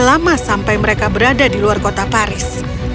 lama sampai mereka berada di luar kota paris